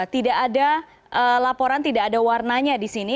tidak ada laporan tidak ada warnanya di sini